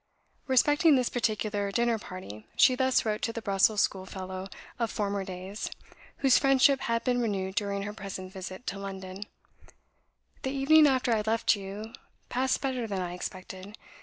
Respecting this particular dinner party she thus wrote to the Brussels schoolfellow of former days, whose friendship had been renewed during her present visit to London: "The evening after I left you passed better than I expected.